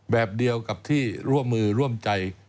แบบเดียวกับที่ร่วมมือร่วมใจ